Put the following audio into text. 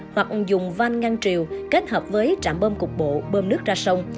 hoặc dùng van ngăn triều kết hợp với trạm bơm cục bộ bơm nước ra sông